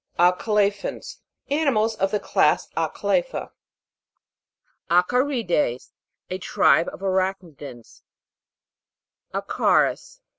ACALE'PHANS. Animals of the class Aetle'pha. ACA'RIDES. A tribe of arachnidans, A'CARUS.